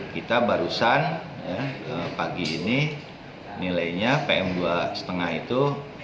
kita barusan pagi ini nilainya pm dua lima itu